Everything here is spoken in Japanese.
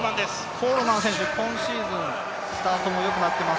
コールマン選手、今シーズンスタートもよくなっています。